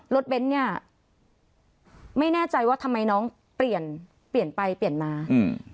เบ้นเนี้ยไม่แน่ใจว่าทำไมน้องเปลี่ยนเปลี่ยนไปเปลี่ยนมาอืม